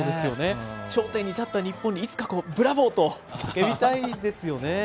頂点に立った日本にいつかブラボー！と叫びたいですよね。